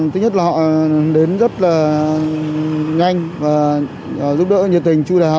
thứ nhất là họ đến rất là nhanh và giúp đỡ nhiệt tình chú đáo